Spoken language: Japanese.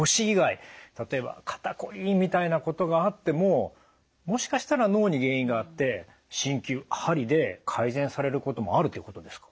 例えば「肩こり」みたいなことがあってももしかしたら脳に原因があって鍼灸鍼で改善されることもあるっていうことですか？